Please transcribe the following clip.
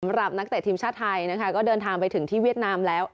นักเตะทีมชาติไทยนะคะก็เดินทางไปถึงที่เวียดนามแล้ว